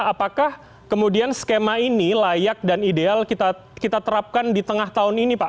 apakah kemudian skema ini layak dan ideal kita terapkan di tengah tahun ini pak